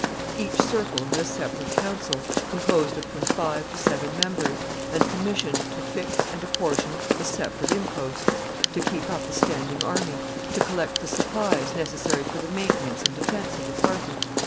Each circle had a separate council, composed of from five to seven members, and commissioned to fix and apportion the separate imposts, to keep up a standing army, to collect the supplies necessary for the maintenance and defence of the party.